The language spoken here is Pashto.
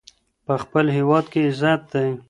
په خپل هېواد کې عزت دی.